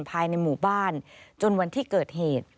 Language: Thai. ภายในหมู่บ้านจนวันที่เกิดเหตุ